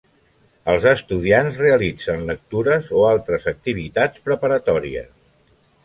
Els estudiants realitzen lectures o altres activitats preparatòries.